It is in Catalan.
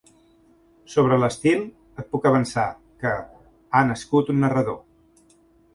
Sobre l'estil, et puc avançar que "ha nascut un narrador".